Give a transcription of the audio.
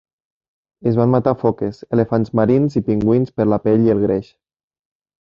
Es van matar foques, elefants marins i pingüins per la pell i el greix.